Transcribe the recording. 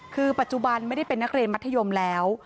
คือปัจจุบันไม่ได้เป็นนักเรียนมัธยมแล้ว